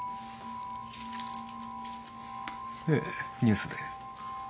ええニュースで。